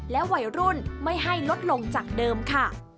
วัยรุ่นไม่ให้ลดลงจากเดิมค่ะ